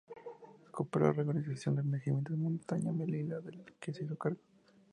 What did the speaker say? Cooperó a la reorganización del Regimiento de Montaña Melilla del que se hizo cargo.